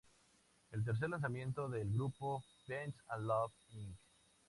El tercer lanzamiento del grupo, "Peace and Love, Inc.